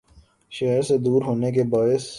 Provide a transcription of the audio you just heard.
شہر سے دور ہونے کے باعث